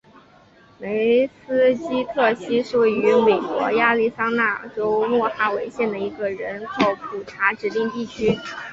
梅斯基特溪是位于美国亚利桑那州莫哈维县的一个人口普查指定地区。